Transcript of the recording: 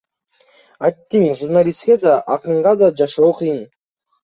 Аттиң, журналистке да, акынга да жашоо кыйын,